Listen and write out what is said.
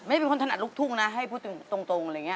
ไม่เป็นคนถนัดลูกทุ่มนะให้พูดตรง